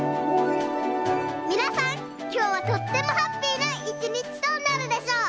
みなさんきょうはとってもハッピーないちにちとなるでしょう！